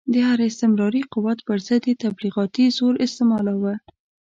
د هر استعماري قوت پر ضد یې تبلیغاتي زور استعمالاوه.